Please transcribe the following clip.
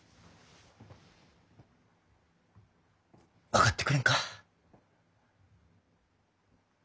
分かってくれんか？